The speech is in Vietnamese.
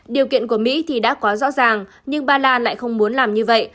điều kiện của mỹ thì đã quá rõ ràng nhưng ba lan lại không muốn làm như vậy